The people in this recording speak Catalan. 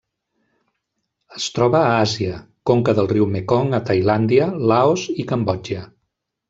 Es troba a Àsia: conca del riu Mekong a Tailàndia, Laos i Cambodja.